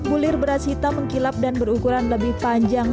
bulir beras hitam mengkilap dan berukuran lebih panjang